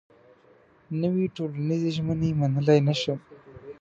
نوې ټولنيزې ژمنې منلای نه شم.